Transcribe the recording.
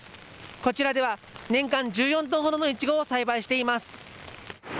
こちらでは年間１４トンほどのイチゴを栽培しています。